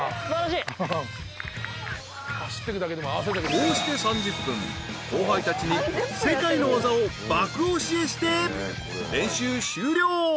［こうして３０分後輩たちに世界の技を爆教えして練習終了］